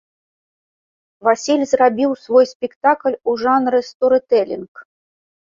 Васіль зрабіў свой спектакль у жанры сторытэлінг.